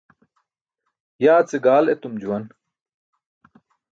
Yaa ce gaal etum juwan